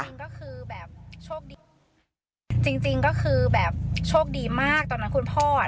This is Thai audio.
จริงก็คือแบบโชคดีจริงจริงก็คือแบบโชคดีมากตอนนั้นคุณพ่ออ่ะ